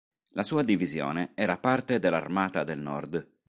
La sua divisione era parte dell'Armata del Nord.